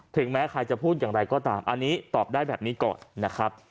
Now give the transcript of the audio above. แม้ใครจะพูดอย่างไรก็ตามอันนี้ตอบได้แบบนี้ก่อนนะครับ